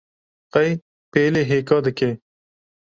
Qey pêlê hêka dike